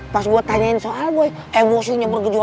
pas gue tanyain soal gue emosinya bergejolak